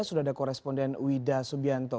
sudah ada koresponden wida subianto